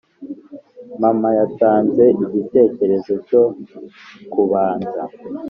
Mama yatanze igitekerezo cyo kubanza